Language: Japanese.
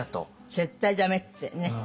絶対ダメってね。